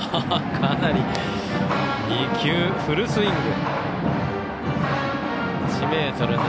２球、フルスイング。